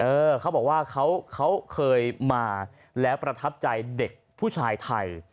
เขาบอกว่าเขาเคยมาแล้วประทับใจเด็กผู้ชายไทย